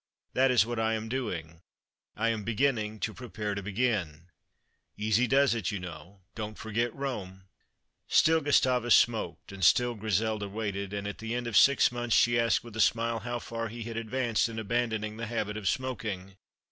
That is what I am doing. I am beginning to prepare to begin. Easy does it, you know. Don't forget Rome." Still Gustavus smoked, and still Griselda waited, and at the end of six months she asked with a smile how far he had advanced in abandoning the habit of smoking.